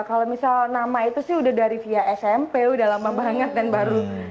kalau misal nama itu sih udah dari via smp udah lama banget dan baru